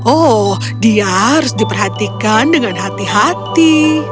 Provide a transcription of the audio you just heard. oh dia harus diperhatikan dengan hati hati